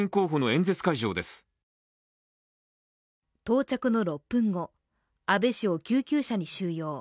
到着の６分後、安倍氏を救急車に収容。